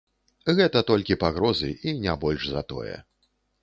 Гэта толькі пагрозы, і не больш за тое.